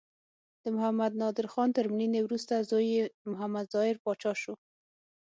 د محمد نادر خان تر مړینې وروسته زوی یې محمد ظاهر پاچا شو.